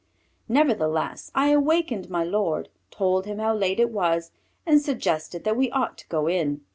Nevertheless I awakened my lord, told him how late it was, and suggested that we ought to go in.